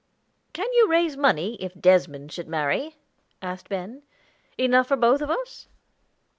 "Can you raise money, if Desmond should marry?" asked Ben. "Enough for both of us?"